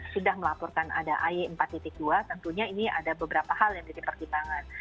sudah melaporkan ada ay empat dua tentunya ini ada beberapa hal yang jadi pertimbangan